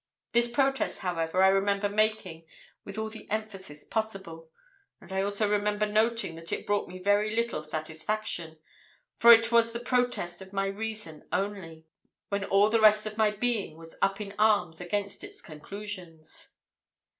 This protest, however, I remember making with all the emphasis possible. And I also remember noting that it brought me very little satisfaction, for it was the protest of my reason only, when all the rest of my being was up in arms against its conclusions.